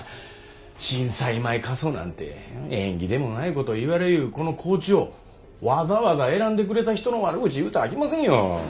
震災前過疎なんて縁起でもないこと言われゆうこの高知をわざわざ選んでくれた人の悪口言うたらあきませんよ。